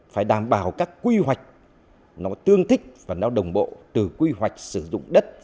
phải đảm bảo các quy hoạch nó tương thích và nó đồng bộ từ quy hoạch sử dụng đất